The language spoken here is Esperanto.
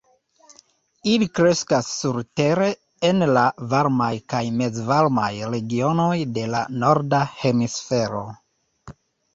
Ili kreskas surtere en la varmaj kaj mezvarmaj regionoj de la norda hemisfero.